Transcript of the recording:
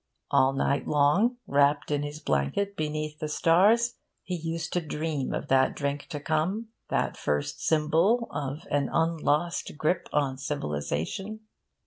All night long, wrapped in his blanket beneath the stars, he used to dream of that drink to come, that first symbol of an unlost grip on civilisation...